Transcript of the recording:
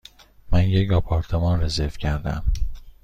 من یک آپارتمان رزرو کردم.